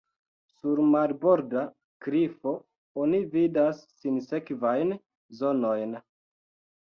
Sur marborda klifo oni vidas sinsekvajn zonojn.